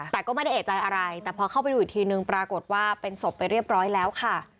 แต่ก็ไม่ได้เอกใจอะไรแต่พอเข้าไปดูอีกทีนึงปรากฏว่าเป็นศพไปเรียบร้อยแล้วค่ะ